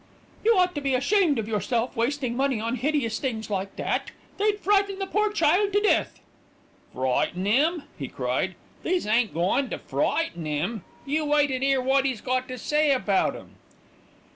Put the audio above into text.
"You ought to be ashamed of yourself, wasting money on hideous things like that. They'd frighten the poor child to death." "Frighten 'im!" he cried. "These ain't goin' to frighten 'im. You wait an' 'ear wot 'e's got to say about 'em."